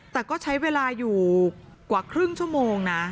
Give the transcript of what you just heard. แต่ก็ใช้เวลาอยู่กว่าครึ่งชั่วโมงนะ